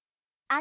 あ！